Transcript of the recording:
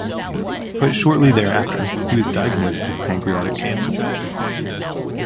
But shortly thereafter, he was diagnosed with pancreatic cancer.